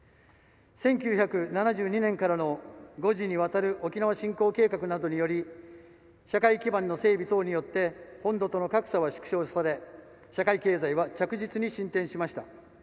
１９７２年からの５次にわたる沖縄振興計画などにより社会基盤の整備等によって本土との格差は縮小され社会経済は着実に進展しました。